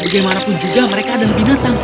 bagaimanapun juga mereka adalah binatang